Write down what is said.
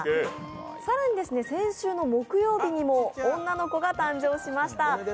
更に先週の木曜日にも女の子が誕生しました。